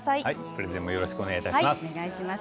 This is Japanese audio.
プレゼンもよろしくお願いします。